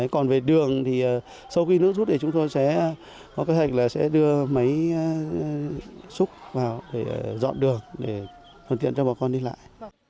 còn về đường thì sau khi nước rút thì chúng tôi sẽ có kế hoạch là sẽ đưa máy xúc vào để dọn đường để thuận tiện cho bà con đi lại